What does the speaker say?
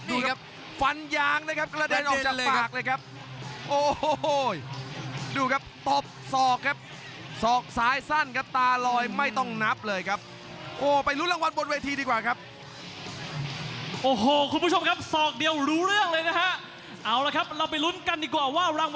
พี่นี้ครับล๊อคไนท์กันแขนเสียบขวา